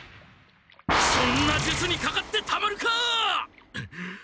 そんな術にかかってたまるか！